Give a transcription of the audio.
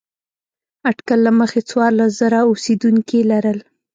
اټکل له مخې څوارلس زره اوسېدونکي لرل.